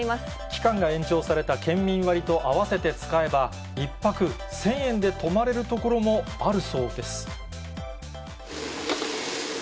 期間が延長された県民割と合わせて使えば、１泊１０００円で泊まれる所もあるそうです。